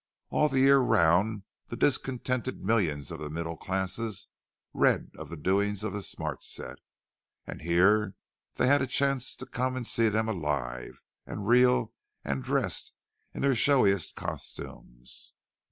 All the year round the discontented millions of the middle classes read of the doings of the "smart set"; and here they had a chance to come and see them—alive, and real, and dressed in their showiest costumes.